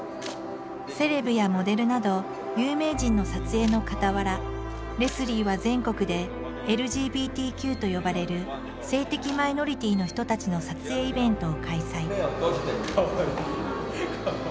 セレブやモデルなど有名人の撮影のかたわらレスリーは全国で「ＬＧＢＴＱ」と呼ばれる性的マイノリティーの人たちの撮影イベントを開催。